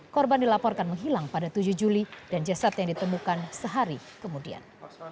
korban dilaporkan menghilang pada tujuh juli dan jasad yang ditemukan sehari kemudian